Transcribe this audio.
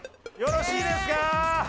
よろしいですか？